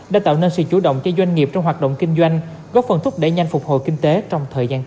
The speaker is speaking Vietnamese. đã tạo nên sự chủ động cho doanh nghiệp trong hoạt động kinh doanh góp phần thúc đẩy nhanh phục hồi kinh tế trong thời gian tới